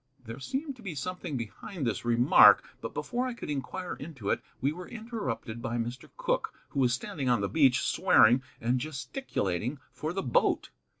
There seemed to be something behind this remark, but before I could inquire into it we were interrupted by Mr. Cooke, who was standing on the beach, swearing and gesticulating for the boat.